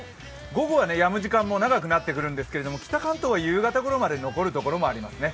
午後はやむ時間も長くなってくるんですけれども、北関東は夕方ごろまで残る所もありますね。